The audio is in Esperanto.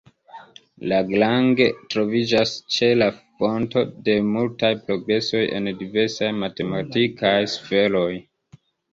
Lagrange troviĝas ĉe la fonto de multaj progresoj en diversaj matematikaj sferoj.